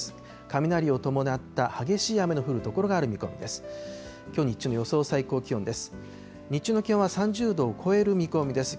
雷を伴った激しい雨の降る所がある見込みです。